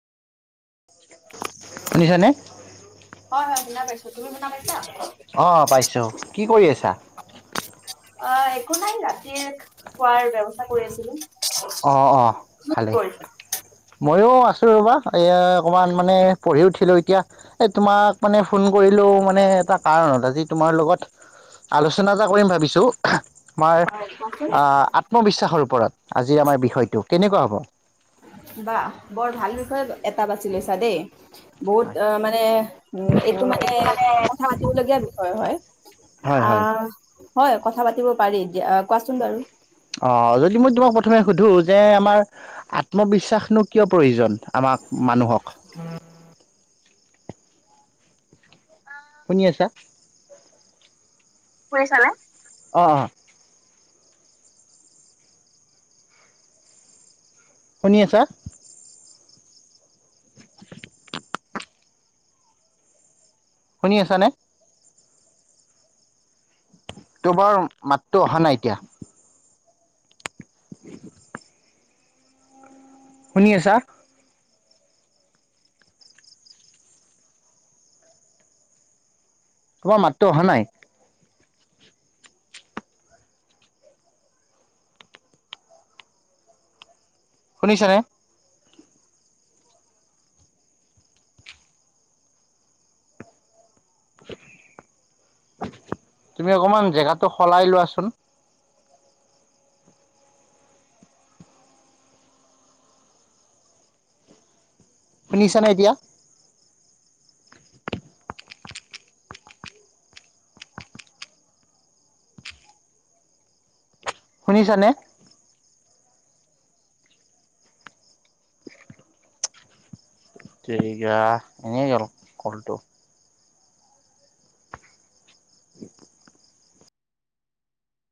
শুনিছা নে? হয় হয় সোনা পাইছোঁ তুমি সোনা পাইছা? অঁপাইছোঁ কি কৰি আছা? আ একো নাই, ৰাতি ৰ খোৱাৰ ব্যৱস্থা কৰি আছিলো। অ অ ভালেই। কৰিছো ময়ো আছোঁ ৰ'বা এই অকণমান মানে পঢ়ি উঠিলোঁ এতিয়া। এ তোমাক মানে ফোন কৰিলো মানে এটা কাৰণত আজি তোমাৰ লগত আলোচনা এটা কৰিম ভাবিছোঁ। আমাৰ আ আত্মবিশ্বাসৰ ওপৰত আজিৰ আমাৰ বিষয়টো কেনেকুৱা হ'ব? বা বৰ ভাল বিষয় এটা বাচি লৈছা দেই। বহুত হয়। অ মানে উ এইটো মানে কথা পাতিবলগীয়া বিষয় হয়। হয় আ হয়, হয় কথা পাতিব পাৰি, কোৱাচোন বাৰু? অ যদি মই তোমাক প্ৰথমে সুধো যে আমাৰ আত্মবিশ্বাসনো কিয় প্ৰয়োজন আমাক মানুহক? [unintelligible] শুনি আছা? শুনিছানে? অ অ শুনি আছা? শুনি আছানে? তোমাৰ মাতটো অহা নাই এতিয়া। [unintelligible] শুনি আছা? তোমাৰৰ মাতটো অহা নাই। শুনিছা নে? তুমি অকমান জেগাতটো সলাই লোৱাচোন। শুনিছানে এতিয়া? শুনিছানে? তেৰিকা এনেই গল কলটো। [unintelligible]